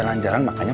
sebentar nanti ya